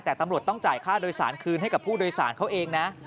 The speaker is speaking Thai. แต่ตำรวจต้องจ่ายค่าโดยสารคืนให้กับผู้โดยสารเขาเองนะ